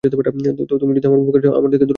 তো তুমি যদি আমার উপকার চাও, আমার থেকে দূরে থাকবে।